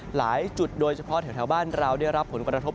หลายจุดโดยเฉพาะแถวบ้านเราได้รับผลกระทบ